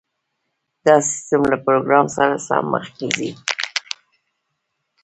دا سیستم له پروګرام سره سم مخکې ځي